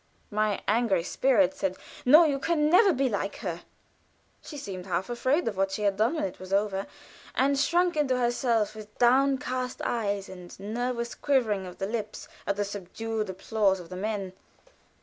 My angry spirit said, "No; you can never be like her." She seemed half afraid of what she had done when it was over, and shrunk into herself with downcast eyes and nervous quivering of the lips at the subdued applause of the men.